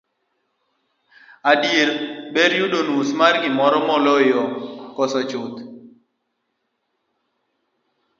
adiera, ber yudo nus mar gimoro moloyo koso chuth